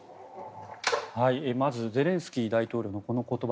まず、ゼレンスキー大統領のこの言葉。